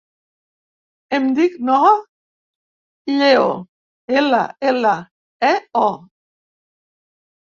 Em dic Noha Lleo: ela, ela, e, o.